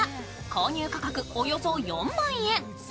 購入価格およそ４万円。